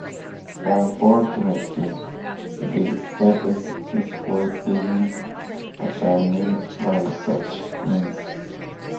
Unfortunately the effect is quite beyond attainment by such means.